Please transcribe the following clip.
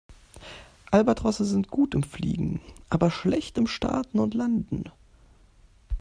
Albatrosse sind gut im Fliegen, aber schlecht im Starten und Landen.